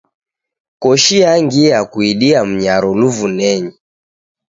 Koshi yangia kuidia mnyaro luvunenyi.